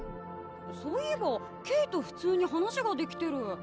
そういえばケイと普通に話ができてる。